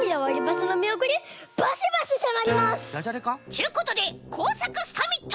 ちゅうことでこうさくサミット！